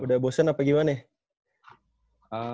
udah bosen apa gimana